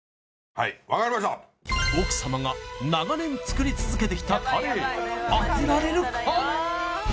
はい分かりました奥様が長年作り続けてきたカレー当てられるか？